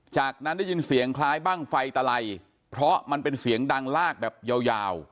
จากนั้นได้ยินเสียงคล้ายบ้างไฟตะไลเพราะมันเป็นเสียงดังลากแบบยาว